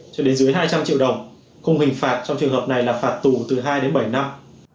cho đến dưới hai trăm linh triệu đồng không hình phạt trong trường hợp này là phạt tù từ hai đến bảy năm